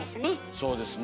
そうですね。